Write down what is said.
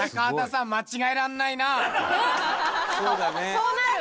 そうなる？